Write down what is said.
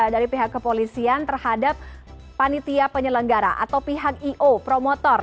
dari pihak kepolisian terhadap panitia penyelenggara atau pihak i o promotor